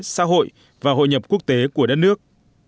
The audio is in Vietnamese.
xã hội và hội nhập quốc tế của đất nước